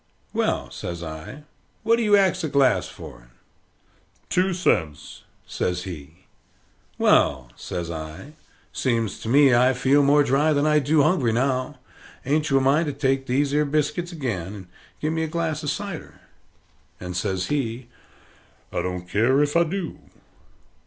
"Well," says I, "what do you ax a glass for it?" "Two cents," says he. "Well," says I, "seems to me I feel more dry than I do hungry now. Ain't you a mind to take these 'ere biscuits again, and give me a glass of cider?" And says he, "I don't care if I do."